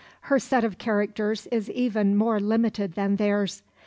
Her set of characters is even more limited than theirs.